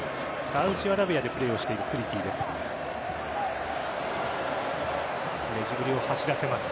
サウジアラビアでプレーをしているスリティです。